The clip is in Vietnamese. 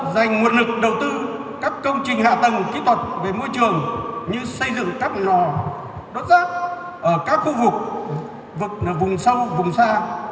dành nguồn lực đầu tư các công trình hạ tầng kỹ thuật về môi trường như xây dựng các lò đốt rác ở các khu vực vùng sâu vùng xa